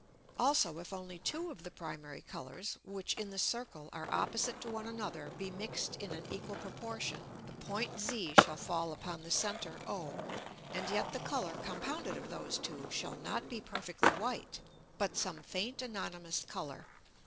Also if only two of the primary Colours which in the circle are opposite to one another be mixed in an equal proportion, the point Z shall fall upon the center O, and yet the Colour compounded of those two shall not be perfectly white, but some faint anonymous Colour.